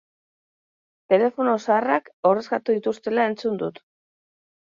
Telefono zaharrak ordezkatu dituztela entzun dut.